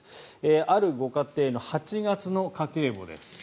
あるご家庭の８月の家計簿です。